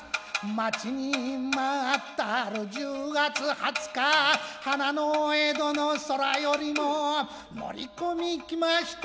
待ちに待ったる十月二十日華のお江戸の空よりも乗り込み来ました